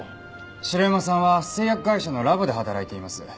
城山さんは製薬会社のラボで働いています。